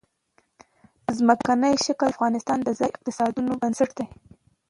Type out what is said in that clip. ځمکنی شکل د افغانستان د ځایي اقتصادونو بنسټ دی.